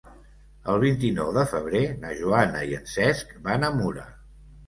El vint-i-nou de febrer na Joana i en Cesc van a Mura.